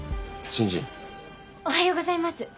おはようございます。